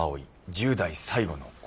１０代最後の恋」。